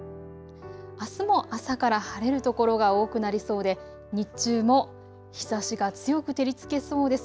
あすも朝から晴れる所が多くなりそうで日中も日ざしが強く照りつけそうです。